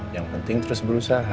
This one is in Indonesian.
yang penting terus berusaha